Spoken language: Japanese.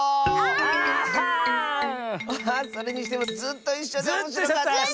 あそれにしてもずっといっしょでおもしろかったッス！